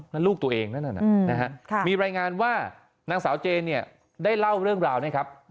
นั่นลูกตัวเองมีรายงานว่านางสาวเจนเนี่ยได้เล่าเรื่องราวนะครับ